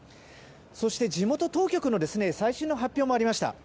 そして、地元当局の最新の発表もありました。